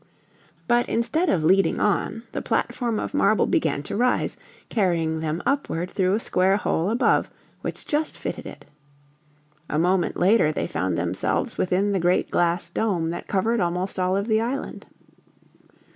But instead of "leading on," the platform of marble began to rise, carrying them upward through a square hole above which just fitted it. A moment later they found themselves within the great glass dome that covered almost all of the island.